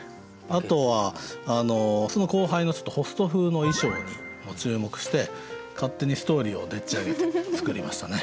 あとはその後輩のちょっとホスト風の衣装にも注目して勝手にストーリーをでっちあげて作りましたね。